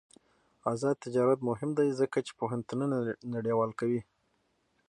آزاد تجارت مهم دی ځکه چې پوهنتونونه نړیوال کوي.